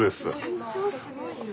・身長すごいな。